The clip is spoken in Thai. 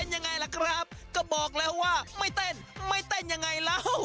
ยังไงล่ะครับก็บอกแล้วว่าไม่เต้นไม่เต้นยังไงแล้ว